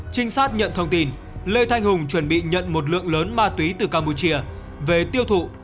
trinh sát nhận thông tin lê thanh hùng chuẩn bị nhận một lượng lớn ma túy từ campuchia về tiêu thụ